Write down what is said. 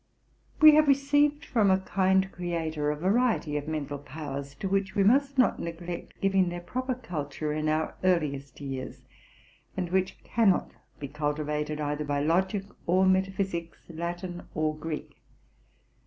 We have received from a kind Creator a variety of mental powers, to which we must not neglect giving their proper culture in our earliest years, and which cannot be cultivated, either by logic or metaphysics, Latin or Greek.